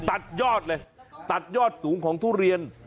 ตัดยอดเลยตัดยอดสูงของทุเรียน